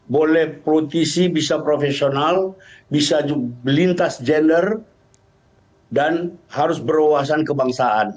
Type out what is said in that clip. boleh politisi bisa profesional bisa melintas gender dan harus berwawasan kebangsaan